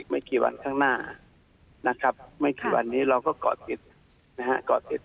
ไม่กี่วันแมนหน้าไม่กี่วันนี้เราก็เกาะติด